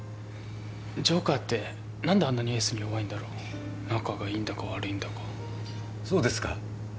ジョーカーって何であんなにエースに弱いんだろう仲がいいんだか悪いんだかそうですか？